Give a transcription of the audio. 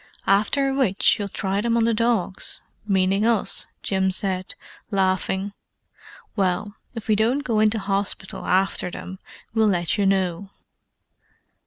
"After which you'll try them on the dogs—meaning us," Jim said, laughing. "Well, if we don't go into hospital after them, we'll let you know."